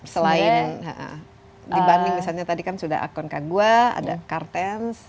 selain dibanding misalnya tadi kan sudah akon kagua ada kartens